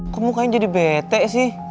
kok mukanya jadi bete sih